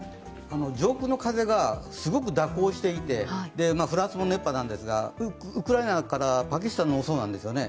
上空の風がすごく蛇行していてフランスも熱波なんですけれども、ウクライナからパキスタンの方もそうなんですよね。